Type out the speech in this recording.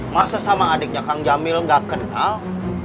masa sama adiknya kang jamil gak kenal